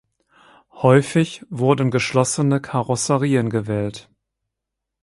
Häufig wurden geschlossene Karosserien gewählt.